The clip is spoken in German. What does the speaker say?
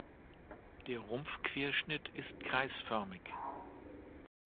Der Rumpfquerschnitt ist kreisförmig.